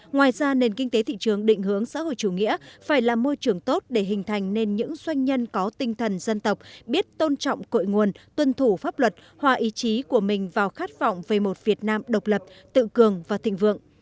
ngoài ra nền kinh tế thị trường định hướng xã hội chủ nghĩa phải là môi trường tốt để hình thành nên những doanh nhân có tinh thần dân tộc biết tôn trọng cội nguồn tuân thủ pháp luật hòa ý chí của mình vào khát vọng về một việt nam độc lập tự cường và thịnh vượng